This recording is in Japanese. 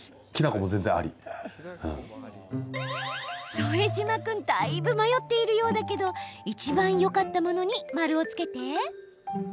副島君だいぶ迷っているようだけどいちばんよかったものに丸をつけて。